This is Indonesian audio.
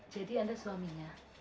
jadi anda suaminya